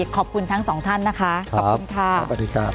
ขอบคุณทั้งสองท่านนะคะขอบคุณค่ะสวัสดีครับ